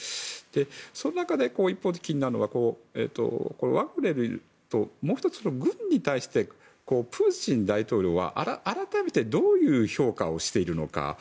その中で、１つ気になるのはワグネルともう１つ、軍に対してプーチン大統領は改めてどういう評価をしているのか。